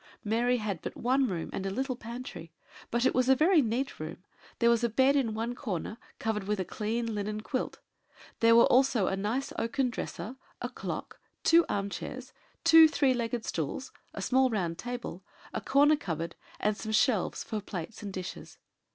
Mary had but one room, and a little pantry, but it was a very neat room; there was a bed in one corner, covered with a clean linen quilt; there were also a nice oaken dresser, a clock, two arm chairs, two three legged stools, a small round table, a corner cupboard, and some shelves for plates and dishes.